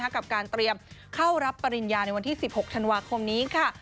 กับการเตรียมเข้ารับปริญญาในวันที่๑๖ธันวาคมนี้ค่ะ